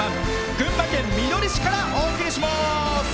群馬県みどり市からお送りします。